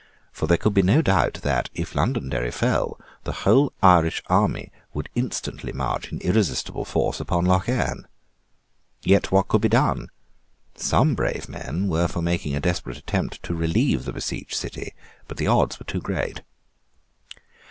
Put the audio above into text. For there could be no doubt that, if Londonderry fell, the whole Irish army would instantly march in irresistible force upon Lough Erne. Yet what could be done? Some brave men were for making a desperate attempt to relieve the besieged city; but the odds were too great.